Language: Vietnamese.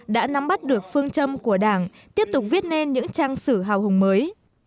đã nắm bắt được phương châm của đảng tiếp tục viết nên những trang sử hào hùng mới